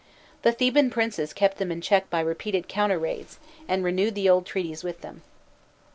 The Theban princes kept them in check by repeated counter raids, and renewed the old treaties with them.